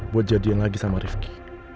buat jadiin lagi sama rizky